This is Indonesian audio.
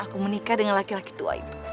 aku menikah dengan laki laki tua ibu